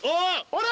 あれ？